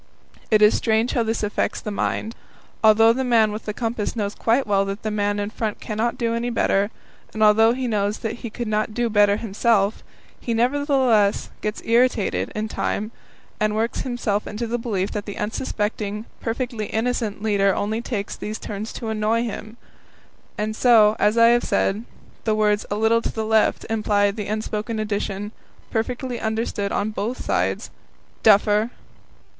It is strange how this affects the mind. Although the man with the compass knows quite well that the man in front cannot do any better, and although he knows that he could not do better himself, he nevertheless gets irritated in time and works himself into the belief that the unsuspecting, perfectly innocent leader only takes these turns to annoy him; and so, as I have said, the words "A little to the left" imply the unspoken addition perfectly understood on both sides "Duffer!"